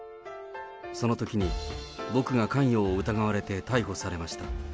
そのときに、僕が関与を疑われて逮捕されました。